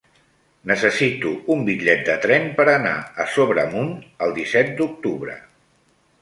Necessito un bitllet de tren per anar a Sobremunt el disset d'octubre.